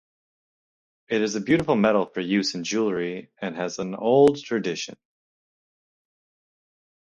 It is a beautiful metal for use in jewelry and has an old tradition.